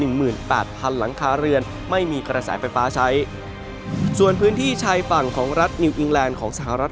หมื่นแปดพันหลังคาเรือนไม่มีกระแสไฟฟ้าใช้ส่วนพื้นที่ชายฝั่งของรัฐนิวอิงแลนด์ของสหรัฐ